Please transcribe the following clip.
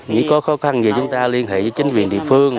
nghĩ có khó khăn thì chúng ta liên hệ với chính viên địa phương